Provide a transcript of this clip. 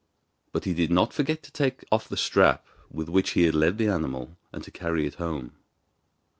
But he did not forget to take off the strap with which he had led the animal, and to carry it home.